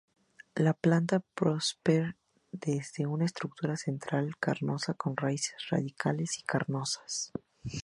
La planta prosper desde una estructura central, carnosa, con raíces radiales y carnosas.